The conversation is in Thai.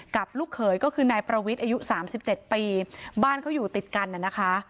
ลูกเขยก็คือนายประวิทย์อายุสามสิบเจ็ดปีบ้านเขาอยู่ติดกันน่ะนะคะ